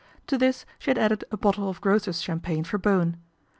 To this she had added a bottle of grocer's champagne for Bowen.